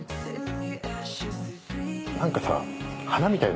何かさ。